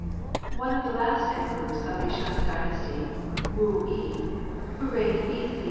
" One of the last Emperors of the morpUsm Shang dynasty, Wu I, who reigned V^i K.